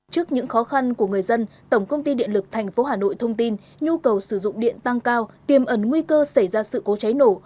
trước những khó khăn của người dân tổng công ty điện lực tp hà nội thông tin nhu cầu sử dụng điện tăng cao tiềm ẩn nguy cơ xảy ra sự cố cháy nổ